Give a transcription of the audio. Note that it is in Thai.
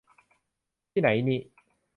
ที่ไหนนิ